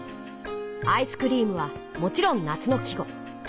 「アイスクリーム」はもちろん夏の季語。